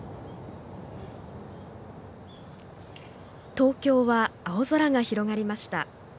東京は青空が広がりました。